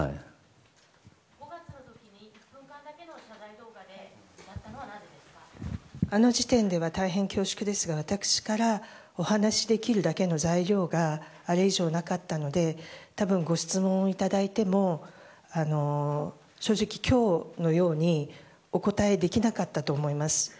５月の時は１分間だけの謝罪動画だったのはあの時点では大変恐縮ですが私からお話しできるだけの材料があれ以上なかったので多分ご質問をいただいても正直、今日のようにお答えできなかったと思います。